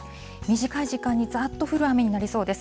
短い時間にざーっと降る雨になりそうです。